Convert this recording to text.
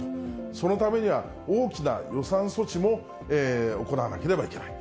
そのためには大きな予算措置も行わなければいけない。